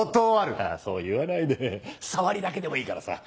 まぁそう言わないでさわりだけでもいいからさ。